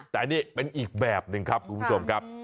แต่นี่เป็นอีกแบบหนึ่งครับคุณผู้ชมครับ